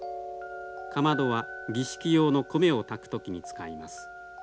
かまどは儀式用の米を炊く時に使います。